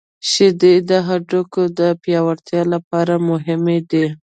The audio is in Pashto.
• شیدې د هډوکو د پیاوړتیا لپاره مهمې دي.